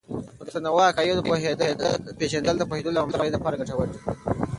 د متنوع عقایدو پیژندل د پوهیدلو او همغږۍ لپاره ګټور دی.